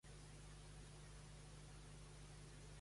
Originalment, l'àlbum s'havia de titular "The Beatles Again".